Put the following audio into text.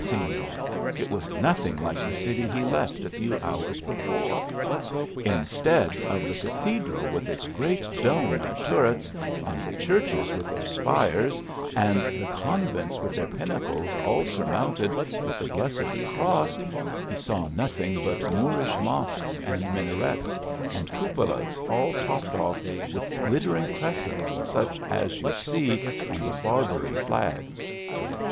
Sefior ! it was nothing like the city he left a few hours before. Instead of the cathedral with its great dome and turrets, and the churches with their spires, and the convents with their pinnacles all sur mounted with the blessed cross, he saw nothing but Moorish mosques, and minarets, and cupolas, all topped off with glittering crescents, such as you see on the Barbary (lags.